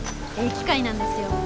機械なんですよ。